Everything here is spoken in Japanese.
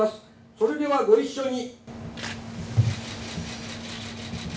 それではご一緒に。